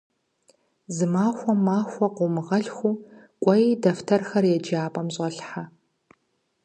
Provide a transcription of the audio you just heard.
Зы махуэм махуэ къыумыгъэлъхуу, кӏуэи дэфтэрхэр еджапӏэм щӏэлъхьэ.